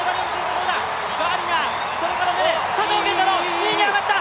２位に上がった！